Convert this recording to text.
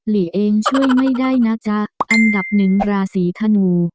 ลีเองช่วยไม่ได้นะจ๊ะอันดับหนึ่งราศีธนู